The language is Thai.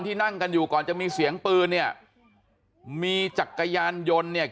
นั่งกันอยู่ก่อนจะมีเสียงปืนเนี่ยมีจักรยานยนต์เนี่ย